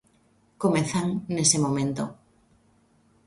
Comezan nese momento.